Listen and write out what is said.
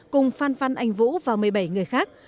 cùng phan văn anh vũ và một mươi bảy người khác